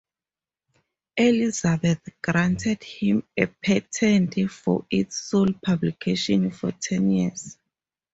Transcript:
Elizabeth granted him a patent for its sole publication for ten years.